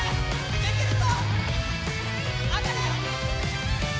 できるぞ！